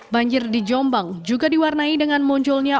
banjir di jombang juga diwarnai dengan munculnya